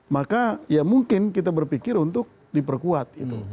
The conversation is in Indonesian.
maka ya mungkin kita berpikir untuk diperkuat